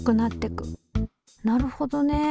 なるほどね。